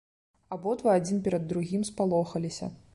Абодва адзін перад другім спалохаліся.